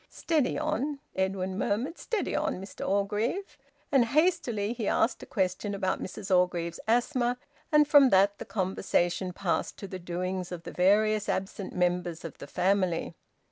"Steady on!" Edwin murmured. "Steady on, Mr Orgreave!" And hastily he asked a question about Mrs Orgreave's asthma; and from that the conversation passed to the doings of the various absent members of the family.